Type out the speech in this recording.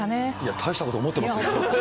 大したこと思ってますよ。